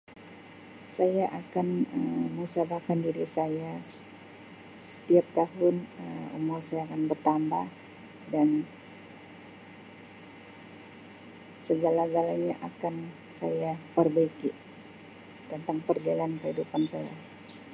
Saya akan muhasabahkan diri saya setiap tahun Um umur saya akan bertambah dan segala-galanya akan saya perbaiki tentang perjalanan kehidpan saya.